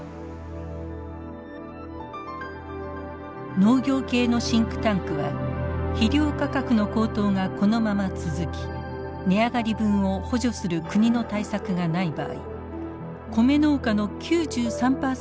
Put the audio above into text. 農業系のシンクタンクは肥料価格の高騰がこのまま続き値上がり分を補助する国の対策がない場合コメ農家の９３％が赤字に陥ると試算しています。